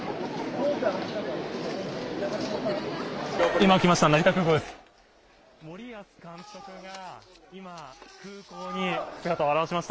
今、来ました、成田空港です。